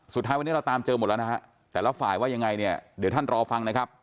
สุดท้ายวันนี้เราตามเจอหมดแล้วนะฮะแต่ละฝ่ายว่ายังไงเนี่ยเดี๋ยวท่านรอฟังนะครับ